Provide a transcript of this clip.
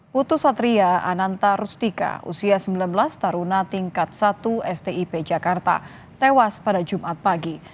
putu satria ananta rustika usia sembilan belas taruna tingkat satu stip jakarta tewas pada jumat pagi